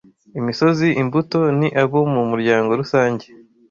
Imisozi - imbuto - ni abo mu muryango rusange